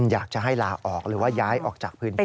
อยากจะให้ลาออกหรือว่าย้ายออกจากพื้นที่